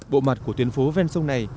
bộ mặt của tuyến phố ven sông này